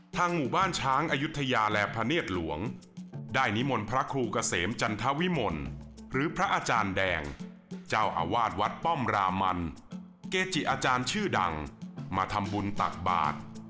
หมู่บ้านช้างอายุทยาและพระเนธหลวงได้นิมนต์พระครูเกษมจันทวิมลหรือพระอาจารย์แดงเจ้าอาวาสวัดป้อมรามันเกจิอาจารย์ชื่อดังมาทำบุญตักบาท